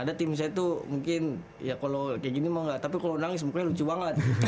ada tim saya tuh mungkin ya kalau kayak gini mau nggak tapi kalau nangis mukanya lucu banget